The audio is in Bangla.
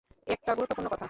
একটা গুরুত্বপূর্ণ কথা।